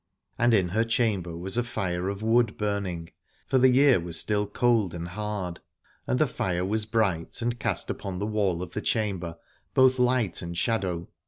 And in her chamber was a fire of wood burning, for the year was still 59 Aladore cold and hard : and the fire was bright and cast upon the wall of the chamber both light and shadow.